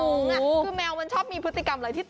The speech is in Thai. คือแมวมันชอบมีพฤติกรรมอะไรที่